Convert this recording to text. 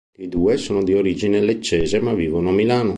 I due sono di origine leccese, ma vivono a Milano.